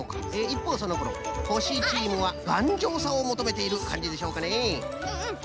いっぽうそのころほしチームはがんじょうさをもとめているかんじでしょうかね。